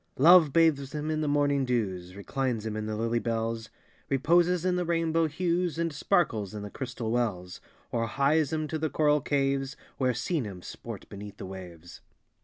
Love bathes him in the morning dews, Reclines him in the lily bells, Reposes in the rainbow hues, And sparkles in the crystal wells, Or hies him to the coral caves, Where sea nymphs sport beneath the waves.